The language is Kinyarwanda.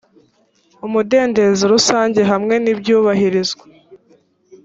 umudendezo rusange hamwe n ibyubahirizwa